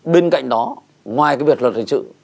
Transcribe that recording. bên cạnh đó ngoài cái việc luật hình sự